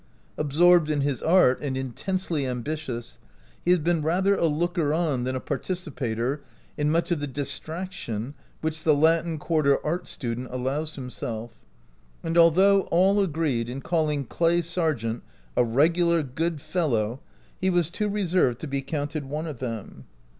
Absorbed in his art, and intensely ambitious, he has been rather a looker on than a participator in much of the distraction which the Latin Quarter art student allows himself; and although all agreed in calling Clay Sargent a regular good fellow, he was too reserved to be counted one of them.